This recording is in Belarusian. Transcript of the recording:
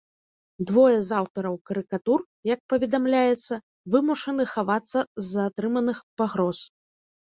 Двое з аўтараў карыкатур, як паведамляецца, вымушаны хавацца з-за атрыманых пагроз.